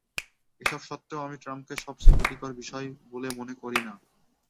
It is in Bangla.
এসব সত্ত্বেও আমি ট্রাম্পকে সবচেয়ে ভীতিকর বিষয় বলে মনে করি না।